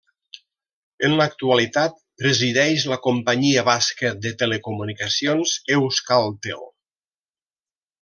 En l'actualitat presideix la companyia basca de telecomunicacions Euskaltel.